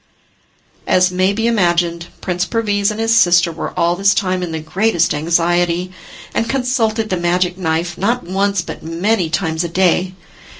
As may be imagined, Prince Perviz and his sister were all this time in the greatest anxiety, and consulted the magic knife, not once but many times a day.